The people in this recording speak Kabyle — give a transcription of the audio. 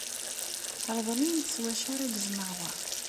Rḍel-iyi-d s wacu ara gezmeɣ wa.